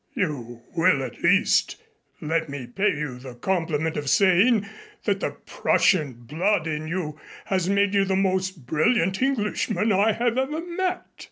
"You will at least let me pay you the compliment of saying that the Prussian blood in you has made you the most brilliant Englishman I have ever met."